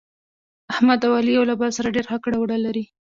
احمد او علي یو له بل سره ډېر ښه کړه وړه لري.